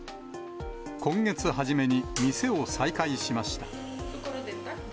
今月初めに店を再開しました。